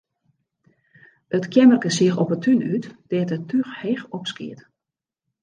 It keammerke seach op 'e tún út, dêr't it túch heech opskeat.